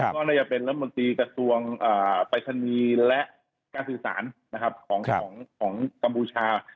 ก็น่าจะเป็นรัฐมนตรีกระทรวงปรายศนีย์และการสื่อสารนะครับของกัมพูชา